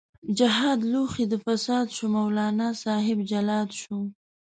جهاد لوښی د فساد شو، مولانا صاحب جلاد شو